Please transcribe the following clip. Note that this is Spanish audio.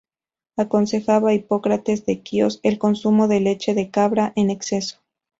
Aconsejaba Hipócrates de Quíos el consumo de leche de cabra en exceso.